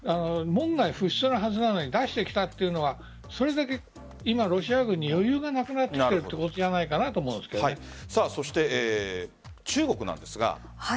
門外不出のはずなのに出してきたというのはそれだけロシア軍に余裕がなくなっているということじゃないかと中国なんですが。